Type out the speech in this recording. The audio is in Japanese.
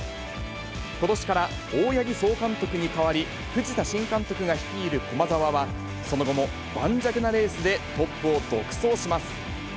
ことしから大八木総監督に代わり、藤田新監督が率いる駒澤は、その後も盤石なレースでトップを独走します。